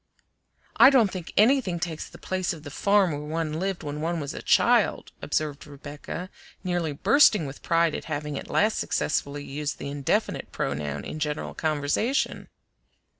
"I don't think anything takes the place of the farm where one lived when one was a child," observed Rebecca, nearly bursting with pride at having at last successfully used the indefinite pronoun in general conversation.